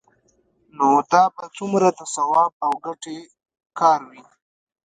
نو دا به څومره د ثواب او ګټې کار وي؟